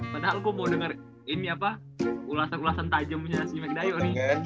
padahal gue mau denger ini apa ulasan ulasan tajamnya si mekdayo nih